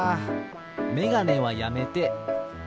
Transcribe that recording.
メガネはやめて。